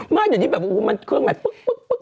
ไม่อย่างนี้แบบมันเครื่องแบบปุ๊บ